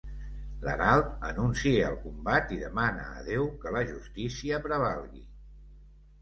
L'herald anuncia el combat i demana a Déu que la justícia prevalgui.